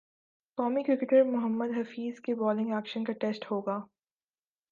قومی کرکٹر محمد حفیظ کے bowling action کا ٹیسٹ ہو گا